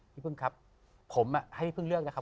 พี่พึ่งครับผมให้เพิ่งเลือกนะครับ